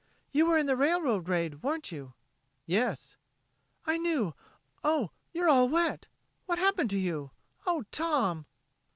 "You were in the railroad raid, weren't you?" "Yes." "I knew.... Oh, you're all wet. What happened to you? Oh, Tom!"